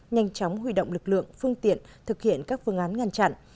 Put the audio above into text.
nhanh chóng huy động lực lượng phương tiện thực hiện các phương án ngăn chặn